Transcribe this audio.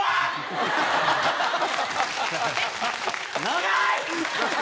長い！